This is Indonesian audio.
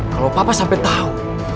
kalau papa sampai tau